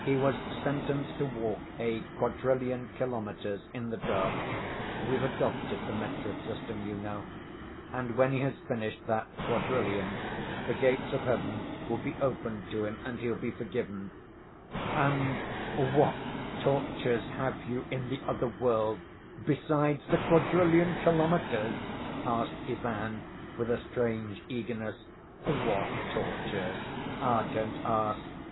he was sentenced to walk a quadrillion kilometers in the dark (we've adopted the metric system, you know) and when he has finished that quadrillion, the gates of heaven would be opened to him and he'll be forgiven—" "And what tortures have you in the other world besides the quadrillion kilometers?" asked Ivan, with a strange eagerness. "What tortures? Ah, don't ask.